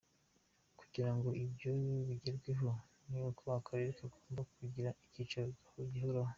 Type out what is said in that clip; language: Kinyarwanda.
Kugira ngo ibyo bigerweho ni uko akarere kagomba kugira icyicaro gihoraho.